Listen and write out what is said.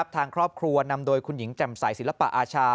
ทางครอบครัวนำโดยคุณหญิงแจ่มใสศิลปะอาชา